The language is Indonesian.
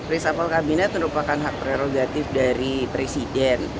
reshuffle kabinet merupakan hak prerogatif dari presiden